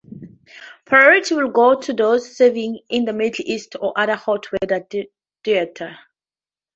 Priority will go to those serving in the Middle East or other hot-weather theaters.